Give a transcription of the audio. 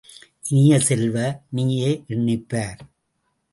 இனிய செல்வ, நீயே எண்ணிப்பார்!